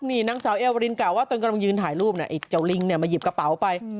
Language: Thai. นี่นางสาวเอวรินกล่าวว่ากำลังยืนถ่ายรูปกลิ่นทรงหลงมาหยิบกระเป๋าไป